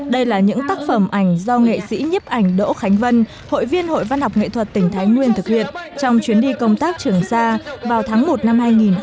đây là những tác phẩm ảnh do nghệ sĩ nhấp ảnh đỗ khánh vân hội viên hội văn học nghệ thuật tỉnh thái nguyên thực hiện trong chuyến đi công tác trường sa vào tháng một năm hai nghìn một mươi chín